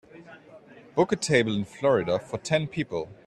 book a table in Florida for ten people